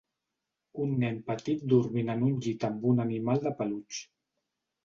Un nen petit dormint en un llit amb un animal de peluix.